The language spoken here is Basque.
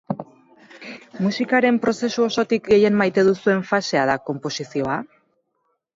Musikaren prozesu osotik gehien maite duzuen fasea da konposizioa?